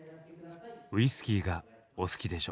「ウイスキーが、お好きでしょ」。